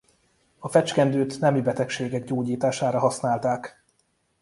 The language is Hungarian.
A fecskendőt nemi betegségek gyógyítására használták.